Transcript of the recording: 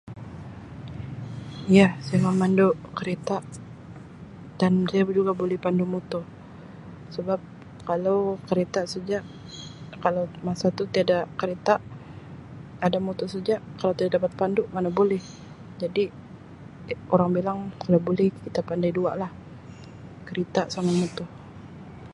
Ya saya memandu kereta dan saya juga boleh pandu motor sebab kalau kereta saja kalau masa tu tiada kereta ada motor saja kalau tidak dapat pandu mana boleh jadi orang bilang kalau boleh kita pandai dua lah kerita sama moto.